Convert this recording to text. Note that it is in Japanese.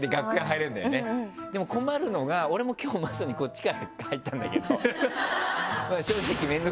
でも困るのが俺も今日まさにこっちから入ったんだけど。